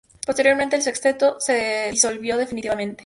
Posteriormente, el sexteto se disolvió definitivamente.